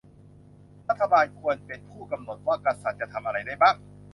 รัฐบาลควรเป็นผู้กำหนดว่ากษัตริย์จะทำอะไรได้บ้าง